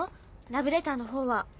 ラブレターのほうは。